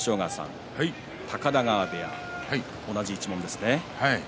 高田川部屋、同じ一門ですね。